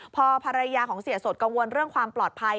พอภรรยาของเสียสดกังวลเรื่องความปลอดภัย